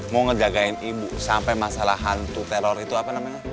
mau ngejagain ibu sampai masalah hantu teror itu apa namanya